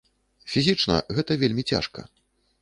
Фізічна гэта вельмі цяжка.